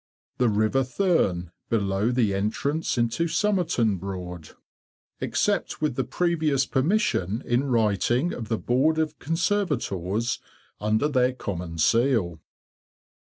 The River Thurne, below the entrance into Somerton Broad— except with the previous permission in writing of the Board of Conservators, under their Common Seal.